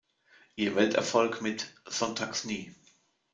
Ihr Welterfolg mit "Sonntags nie!